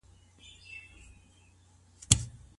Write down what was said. د هر بيلتون اسباب او واکداران څوک دي؟